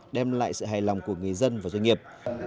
đem lại sự hài lòng của người dân và doanh nghiệp